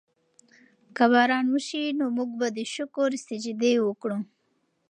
که باران وشي نو موږ به د شکر سجدې وکړو.